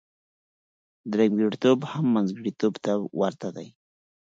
درېمګړتوب هم منځګړتوب ته ورته دی.